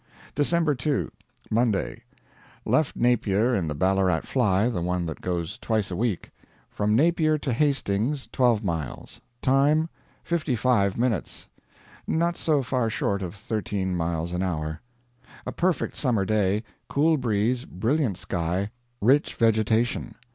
December 2. Monday. Left Napier in the Ballarat Fly the one that goes twice a week. From Napier to Hastings, twelve miles; time, fifty five minutes not so far short of thirteen miles an hour .... A perfect summer day; cool breeze, brilliant sky, rich vegetation.